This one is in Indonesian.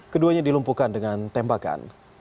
keduanya dilumpuhkan dengan tembakan